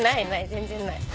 全然ない。